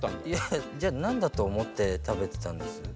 いやじゃあなんだと思って食べてたんです？